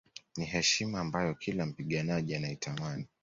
Ni heshima ambayo kila mpiganaji anaitamani